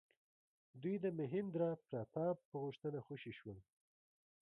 دوی د مهیندرا پراتاپ په غوښتنه خوشي شول.